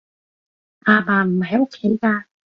阿爸唔喺屋企㗎